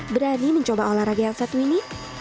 berani mencoba olahraga yang satu ini